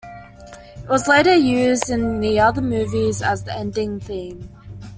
It was later used in the other movies as the ending theme.